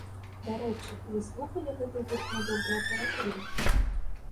Дарэчы, вы слухалі гэты гурт на добрай апаратуры?